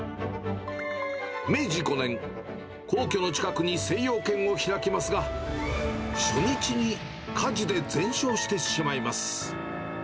明治５年、皇居の近くに精養軒を開きますが、初日に火事で全焼してしまいます。